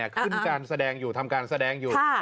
ขึ้นการแสดงอยู่ทำการแสดงอยู่